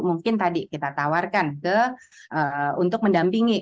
mungkin tadi kita tawarkan untuk mendampingi